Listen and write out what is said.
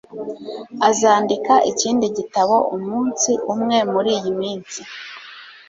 Azandika ikindi gitabo umunsi umwe muriyi minsi